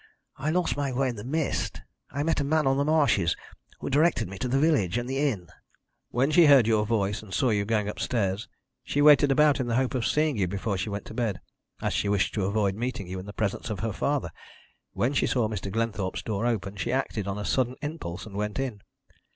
I lost my way in the mist. I met a man on the marshes who directed me to the village and the inn." "When she heard your voice, and saw you going upstairs, she waited about in the hope of seeing you before she went to bed, as she wished to avoid meeting you in the presence of her father. When she saw Mr. Glenthorpe's door open she acted on a sudden impulse, and went in."